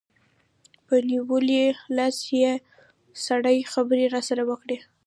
په نیولي لاس یې سړې خبرې راسره وکړې.